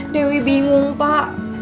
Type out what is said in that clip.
dewi bingung pak